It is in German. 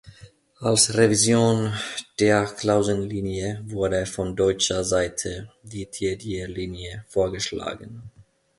Als Revision der Clausen-Linie wurde von deutscher Seite die Tiedje-Linie vorgeschlagen.